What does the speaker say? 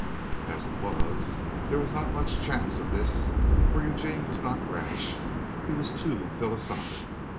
As it was, there was not much chance of this, for Eugene was not rash. He was too philosophic.